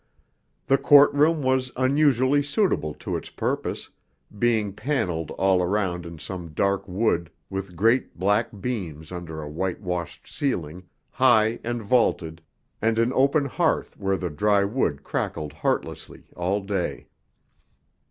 The court room was unusually suitable to its purpose, being panelled all round in some dark wood with great black beams under a white washed ceiling, high and vaulted, and an open hearth where the dry wood crackled heartlessly all day.